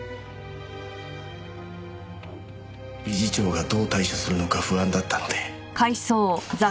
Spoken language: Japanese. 理事長がどう対処するのか不安だったので。